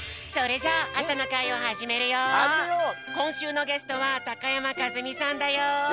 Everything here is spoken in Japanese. こんしゅうのゲストは高山一実さんだよ。